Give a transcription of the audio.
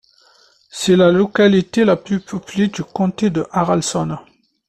C’est la localité la plus peuplée du comté de Haralson.